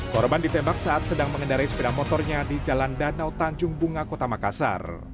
korban ditembak saat sedang mengendarai sepeda motornya di jalan danau tanjung bunga kota makassar